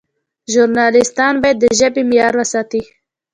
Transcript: ژورنالیستان باید د ژبې معیار وساتي.